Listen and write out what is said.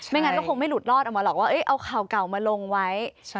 งั้นก็คงไม่หลุดรอดออกมาหรอกว่าเอาข่าวเก่ามาลงไว้